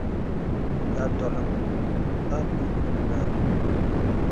Tā tɔləŋ a dùk nə àlùù.